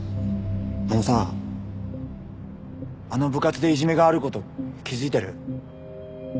あのさあの部活でいじめがある事気づいてる？